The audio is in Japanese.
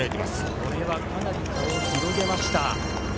これはかなり差を広げました。